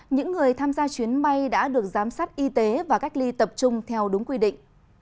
những người tham gia chuyến bay đã được giám sát y tế và cách ly tập trung theo đúng quy định